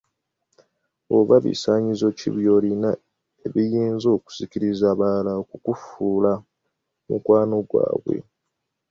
Oba bisaanyizo ki by’olina ebiyinza okusikiriza abalala okukufuula mukwanogwabwe?